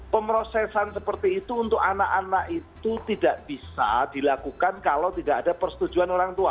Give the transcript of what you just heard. pemrosesan seperti itu untuk anak anak itu tidak bisa dilakukan kalau tidak ada persetujuan orang tua